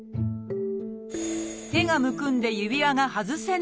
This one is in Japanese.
手がむくんで指輪が外せない。